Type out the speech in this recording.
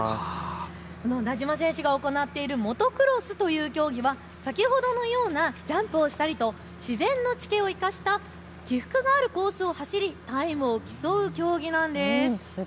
名島選手が行っているモトクロスという競技は先ほどのようなジャンプをしたりと自然の地形を生かした起伏があるコースを走りタイムを競う競技なんです。